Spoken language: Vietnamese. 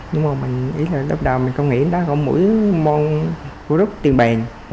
nhưng mà mình nghĩ là đập đào mình không nghĩ là có mũi mong rút tiền bền